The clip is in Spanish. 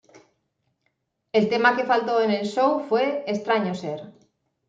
El tema que faltó en el Show fue "Extraño Ser".